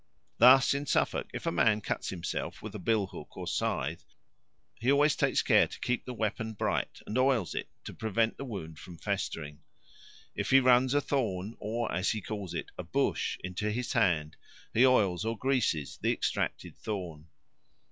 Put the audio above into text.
Thus in Suffolk if a man cuts himself with a bill hook or a scythe he always takes care to keep the weapon bright, and oils it to prevent the wound from festering. If he runs a thorn or, as he calls it, a bush into his hand, he oils or greases the extracted thorn.